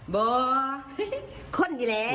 เบาเห้อข้นดิแล้ว